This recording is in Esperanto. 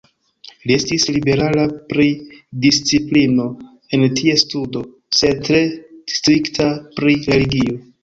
Li estis liberala pri disciplino en ties studo, sed tre strikta pri religio.